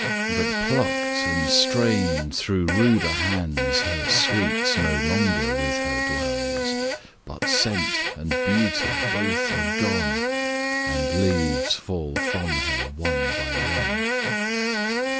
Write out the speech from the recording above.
But pluck'd and strain'd through ruder hands, 15 Her sweets no longer with her dwells: But scent and beauty both are gone, And leaves fall from her, one by one.